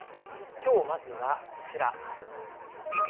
きょうまずはこちら。